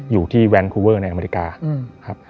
อยู่ที่แวนคูเวอร์ในอเมริกาครับ